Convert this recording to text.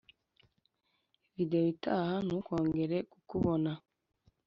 video itaha ntukongere kukubona